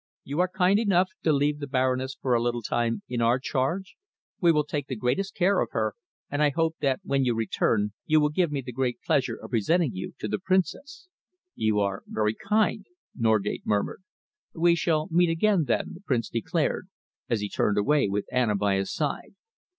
"You are kind enough to leave the Baroness for a little time in our charge. We will take the greatest care of her, and I hope that when you return you will give me the great pleasure of presenting you to the Princess." "You are very kind," Norgate murmured. "We shall meet again, then," the Prince declared, as he turned away with Anna by his side.